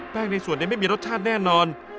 แป้งในส่วนยังไม่มีรสชาติแน่นอน